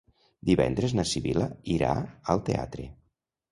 Divendres na Sibil·la irà al teatre.